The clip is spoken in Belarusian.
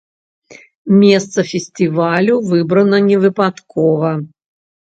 Месца фестывалю выбрана невыпадкова.